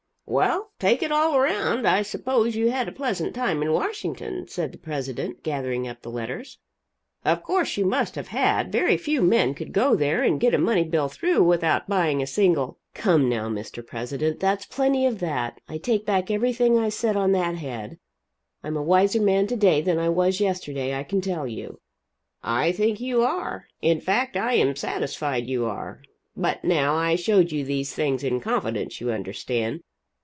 "Well, take it all around, I suppose you had a pleasant time in Washington," said the president, gathering up the letters; "of course you must have had. Very few men could go there and get a money bill through without buying a single " "Come, now, Mr. President, that's plenty of that! I take back everything I said on that head. I'm a wiser man to day than I was yesterday, I can tell you." "I think you are. In fact I am satisfied you are. But now I showed you these things in confidence, you understand.